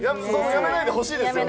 辞めないでほしいですよね。